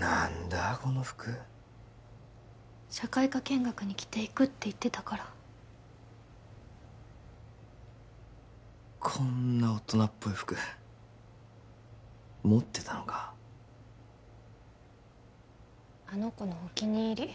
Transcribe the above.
何だこの服社会科見学に着ていくって言ってたからこんな大人っぽい服持ってたのかあの子のお気に入り